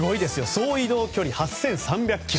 総移動距離、８３００ｋｍ。